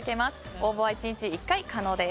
応募は１日１回、可能です。